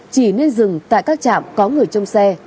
chỉ nên dừng tại các trạm có người trông xe